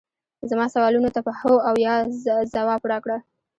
زما سوالونو ته په هو او یا ځواب راکړه